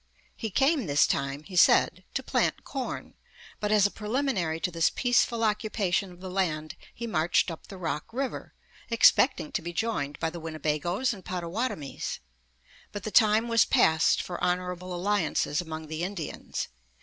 He came this time, he said, "to plant corn," but as a preliminary to this peaceful occupation of the land he marched up the Rock River, expecting to be joined by the Winnebagoes and Pottawatomies. But the time was passed for honorable alliances among the Indians.